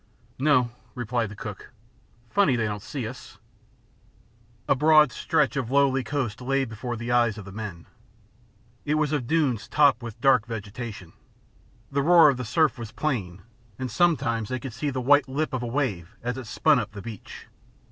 "No," replied the cook. "Funny they don't see us!" A broad stretch of lowly coast lay before the eyes of the men. It was of dunes topped with dark vegetation. The roar of the surf was plain, and sometimes they could see the white lip of a wave as it spun up the beach.